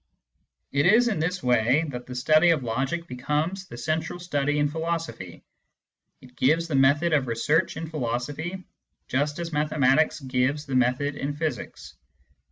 It is in this way that the study of logic becomes the central study in philosophy : it gives the method of research in philosophy, just as mathematics gives the method in physics.